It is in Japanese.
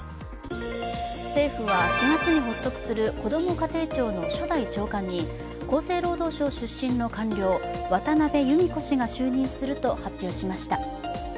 政府は４月に発足するこども家庭庁の初代長官に厚生労働省出身の官僚渡辺由美子氏が就任すると発表しました。